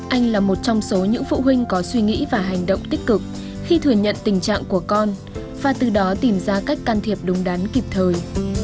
anh là một trong số những phụ huynh có suy nghĩ và hành động tích cực khi thừa nhận tình trạng của con và từ đó tìm ra cách can thiệp đúng đắn kịp thời